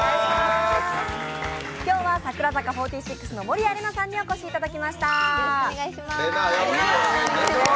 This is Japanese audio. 今日は櫻坂４６の守屋麗奈さんにお越しいただきました。